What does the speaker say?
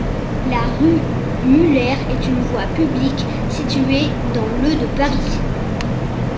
La rue Muller est une voie publique située dans le de Paris.